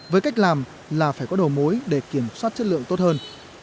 với cách làm là phải có đầu mối để kiểm soát chất lượng tốt hơn